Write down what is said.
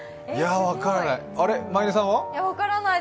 いや、分からない。